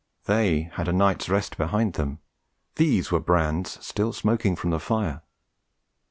They had a night's rest behind them; these were brands still smoking from the fire.